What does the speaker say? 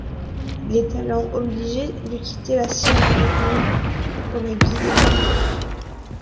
Il est alors obligé de quitter la Sierra Leone pour la Guinée.